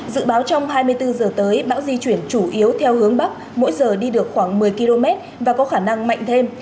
dự báo trong hai mươi bốn giờ tới bão di chuyển chủ yếu theo hướng bắc mỗi giờ đi được khoảng một mươi km và có khả năng mạnh thêm